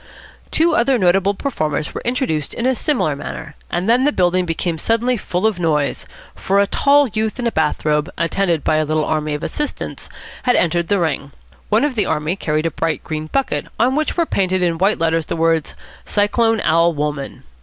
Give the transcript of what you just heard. Two other notable performers were introduced in a similar manner, and then the building became suddenly full of noise, for a tall youth in a bath robe, attended by a little army of assistants, had entered the ring. One of the army carried a bright green bucket, on which were painted in white letters the words "Cyclone Al. Wolmann."